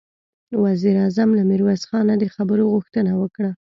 وزير اعظم له ميرويس خانه د خبرو غوښتنه وکړه.